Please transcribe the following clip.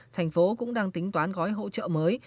thành phố cũng đang tính toán gói hỗ trợ mới